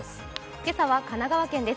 今朝は神奈川県です。